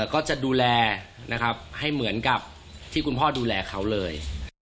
ก็จะดูแลนะครับให้เหมือนกับที่คุณพ่อดูแลเขาเลย